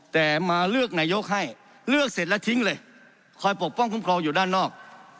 แต่มาเลือกนายกให้เลือกเสร็จแล้วทิ้งเลยคอยปกป้องคุ้มครองอยู่ด้านนอก